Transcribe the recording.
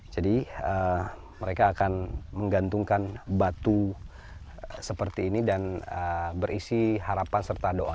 jadi mereka akan menggantungkan batu seperti ini dan berisi harapan serta doa